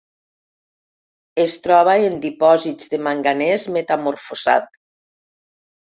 Es troba en dipòsits de manganès metamorfosat.